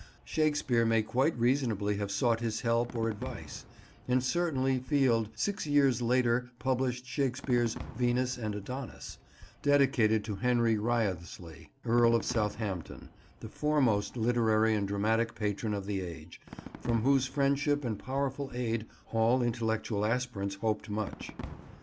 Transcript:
Shakespeare may quite reasonably have sought his help or advice; and certainly Field six years later published Shakespeare's Venus and Adonis, dedicated to Henry Wriothesley, Earl of Southampton, the foremost literary and dramatic patron of the age, from whose friendship and powerful aid all intellectual aspirants hoped much.